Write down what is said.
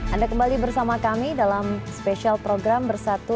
anda kembali bersama kami dalam spesial program bersatu lawan covid sembilan belas